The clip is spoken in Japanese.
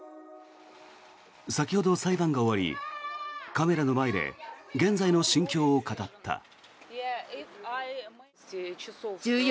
先ほど裁判が終わりカメラの前で現在の心境を語った。